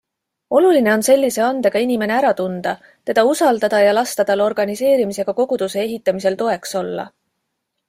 Oluline on sellise andega inimene ära tunda, teda usaldada ja lasta tal organiseerimisega koguduse ehitamisel toeks olla.